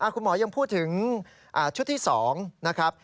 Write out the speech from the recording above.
คุณหมอยังพูดถึงชุดที่๒นะครับ